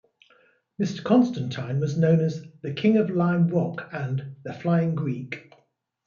Mr. Constantine was known as the "King of Lime Rock" and "The Flying Greek.